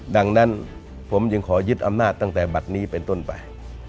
ดังนั้นผมจึงขอยึดอำนาจตั้งแต่บัตรนี้เป็นต้นไป